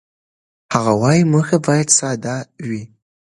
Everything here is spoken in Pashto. هغه وايي، موخې باید ساده وي.